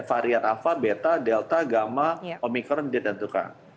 varian apa beta delta gamma omikron dia tentukan